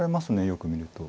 よく見ると。